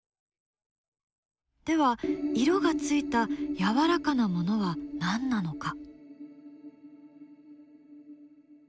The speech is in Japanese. では色がついたやわらかなものは何なのか？